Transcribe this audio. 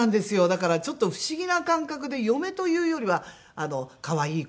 だからちょっと不思議な感覚で嫁というよりは可愛い後輩という感じです。